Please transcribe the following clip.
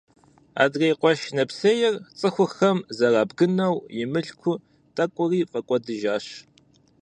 Адрей къуэш нэпсейр цӀыхухэм зэрабгынэу, и мылъку тӀэкӀури фӀэкӀуэдыжащ.